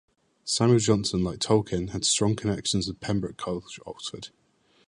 Samuel Johnson, like Tolkien, had a strong connection with Pembroke College, Oxford.